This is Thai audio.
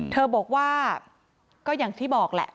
เธอบอกว่าก็อย่างที่บอกแหละ